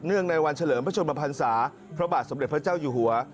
ในวันเฉลิมพระชนมพันศาพระบาทสมเด็จพระเจ้าอยู่หัว